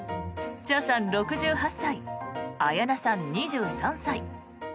茶さん、６８歳綾菜さん、２３歳。